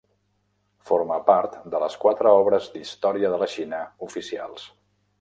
Forma part de les quatre obres d'història de la Xina oficials.